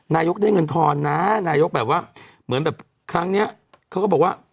นายกได้เงินทอนนะนายกแบบว่าเหมือนแบบครั้งนี้เขาก็บอกว่า